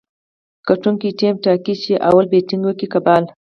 ګټونکی ټیم ټاکي، چي لومړی بېټينګ وکي که بال.